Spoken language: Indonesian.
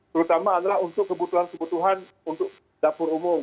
terutama adalah untuk kebutuhan kebutuhan untuk dapur umum